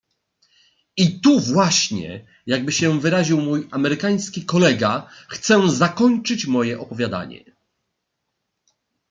"I „tu właśnie“, jakby się wyraził mój amerykański kolega, chcę zakończyć moje opowiadanie."